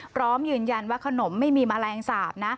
พร้อมยืนยันว่าขนมไม่มีแมลงสาปนะ